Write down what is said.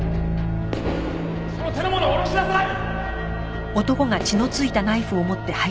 その手の物を下ろしなさい！